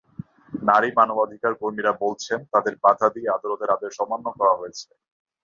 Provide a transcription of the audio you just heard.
নারী মানবাধিকার কর্মীরা বলছেন, তাদের বাধা দিয়ে আদালতের আদেশ অমান্য করা হয়েছে।